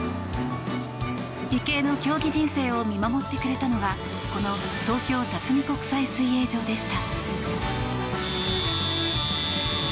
池江の競技人生を見守ってくれたのがこの東京辰巳国際水泳場でした。